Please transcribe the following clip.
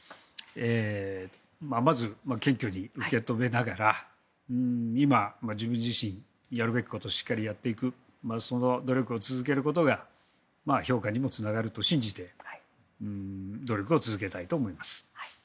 まず謙虚に受け止めながら今、自分自身、やるべきことをしっかりやっていくその努力を続けることが評価にもつながると信じて努力を続けたいと思います。